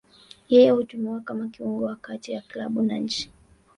Yeye hutumiwa kama kiungo wa kati ya klabu na nchi.